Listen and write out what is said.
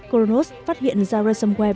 kronos phát hiện zara somewhere